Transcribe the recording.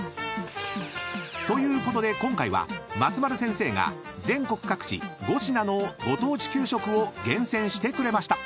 ［ということで今回は松丸先生が全国各地５品のご当地給食を厳選してくれました］